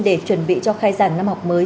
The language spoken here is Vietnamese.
để chuẩn bị cho khai giảng năm học mới